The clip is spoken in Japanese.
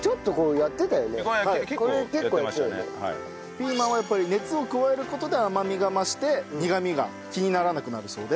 ピーマンはやっぱり熱を加える事で甘みが増して苦みが気にならなくなるそうで。